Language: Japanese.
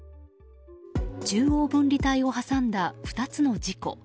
中央分離帯を挟んだ２つの事故。